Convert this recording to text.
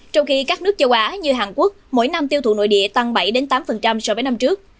trong khi các nước châu á như hàn quốc mỗi năm tiêu thụ nội địa tăng bảy tám so với năm trước